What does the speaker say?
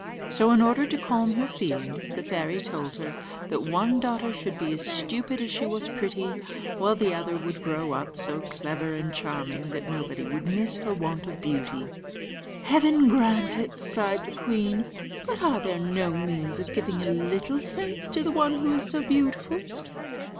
So, in order to calm her feelings, the fairy told her that the one daughter should be as stupid as she was pretty, while the other would grow up so clever and charming that nobody would miss her want of beauty. "Heaven grant it!" sighed the queen; "but are there no means of giving a little sense to the one who is so beautiful?"